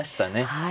はい。